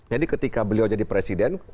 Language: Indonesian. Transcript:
jadi ketika beliau jadi presiden